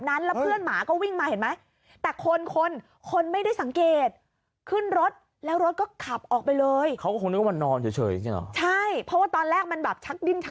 แล้วมันนิ่งเลยน้องแขงต้องตายป่ะนะ